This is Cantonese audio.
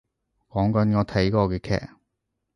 講緊我睇過嘅劇